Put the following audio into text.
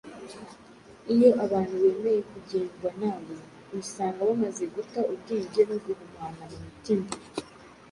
Iyo abantu bemeye kugengwa nawe bisanga bamaze guta ubwenge no guhumana mu mitima.